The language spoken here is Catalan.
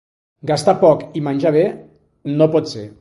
Gastar poc i menjar bé, no pot ser.